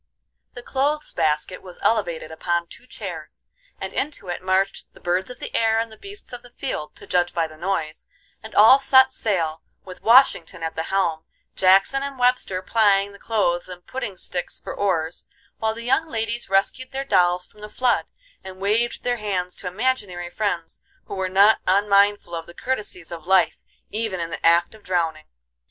The clothes basket was elevated upon two chairs, and into it marched the birds of the air and the beasts of the field, to judge by the noise, and all set sail, with Washington at the helm, Jackson and Webster plying the clothes and pudding sticks for oars, while the young ladies rescued their dolls from the flood, and waved their hands to imaginary friends who were not unmindful of the courtesies of life even in the act of drowning.